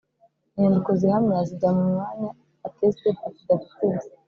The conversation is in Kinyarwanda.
Inyandiko zihamya zijya mu mwanya Attested affidavits